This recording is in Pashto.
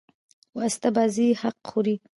واسطه بازي حق خوري.